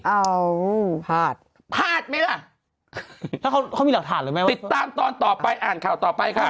อ้าวพลาดพลาดไหมล่ะแล้วเขาเขามีหลักฐานหรือไม่ว่าติดตามตอนต่อไปอ่านข่าวต่อไปค่ะ